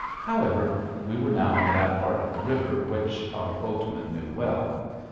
However, we were now in that part of the river which our boatmen knew well.